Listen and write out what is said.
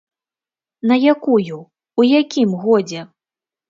На якую, у якім годзе?